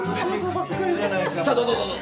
さあどうぞどうぞ。